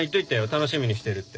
楽しみにしてるって。